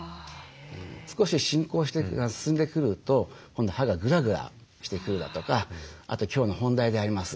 少し進行して進んでくると今度歯がグラグラしてくるだとかあと今日の本題であります